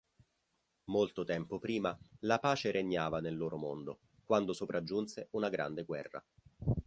Molto tempo prima, la pace regnava nel loro mondo, quando sopraggiunse una grande guerra.